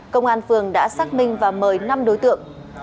công an phường đã xác minh và mời năm đối tượng